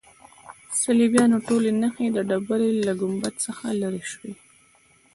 د صلیبیانو ټولې نښې د ډبرې له ګنبد څخه لیرې شوې.